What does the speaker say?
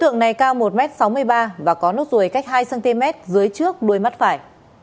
ngày cao một m sáu mươi ba và có nốt ruồi cách hai cm dưới trước đuôi mắt phải